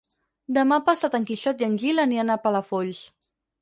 Demà passat en Quixot i en Gil aniran a Palafolls.